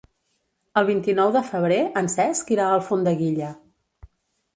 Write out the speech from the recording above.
El vint-i-nou de febrer en Cesc irà a Alfondeguilla.